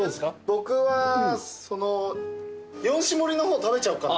僕はその４種盛りの方食べちゃおうかな。